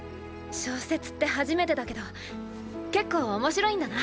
小説って初めてだけど結構面白いんだな！